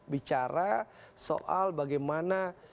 bicara soal bagaimana